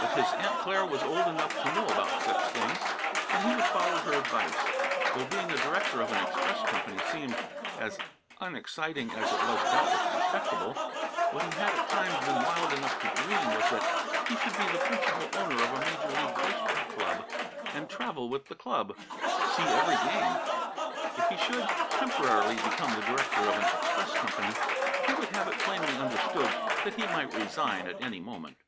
But his Aunt Clara was old enough to know about such things, and he would follow her advice, though being a director of an express company seemed as unexciting as it was doubtless respectable: what he had at times been wild enough to dream was that he should be the principal owner of a major league baseball club, and travel with the club see every game! If he should, temporarily, become the director of an express company, he would have it plainly understood that he might resign at any moment.